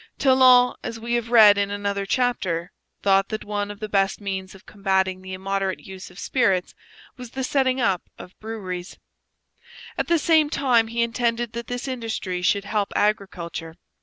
Talon, as we have read in another chapter, thought that one of the best means of combating the immoderate use of spirits was the setting up of breweries; at the same time he intended that this industry should help agriculture.